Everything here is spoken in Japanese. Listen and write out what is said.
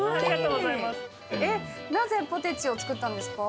なぜポテチを作ったんですか？